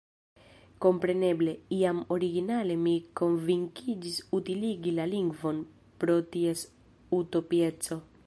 Kompreneble, jam originale mi konvinkiĝis utiligi la lingvon pro ties utopieco.